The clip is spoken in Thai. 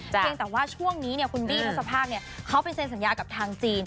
เพียงแต่ว่าช่วงนี้เนี่ยคุณบี้เท่าสภาพเนี่ยเขาเป็นเซ็นสัญญากับทางจีน